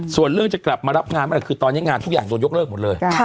ส่วนเรื่องจะกลับมารับงานอะไรคือตอนนี้งานทุกอย่างโดนยกเลิกหมดเลย